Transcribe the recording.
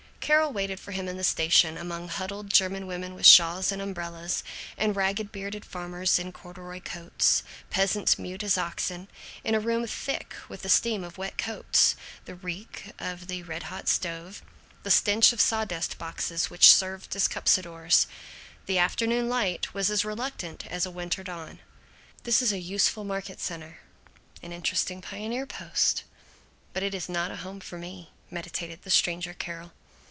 Carol waited for him in the station, among huddled German women with shawls and umbrellas, and ragged bearded farmers in corduroy coats; peasants mute as oxen, in a room thick with the steam of wet coats, the reek of the red hot stove, the stench of sawdust boxes which served as cuspidors. The afternoon light was as reluctant as a winter dawn. "This is a useful market center, an interesting pioneer post, but it is not a home for me," meditated the stranger Carol.